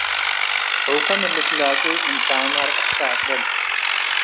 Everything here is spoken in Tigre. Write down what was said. ሑካ ምን ልትላጹ፡ እንተመ ረአስካ አጥልል።